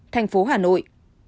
một thành phố hà nội